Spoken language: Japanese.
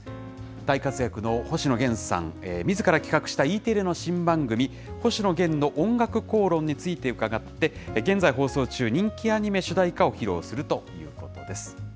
大活躍の星野源さん、みずから企画したＥテレの新番組、星野源のおんがくこうろんについて伺って、現在放送中、人気アニメ主題歌を披露するということです。